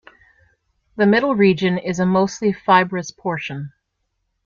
The middle region is a mostly fibrous portion.